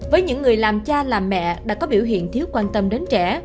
với những người làm cha làm mẹ đã có biểu hiện thiếu quan tâm đến trẻ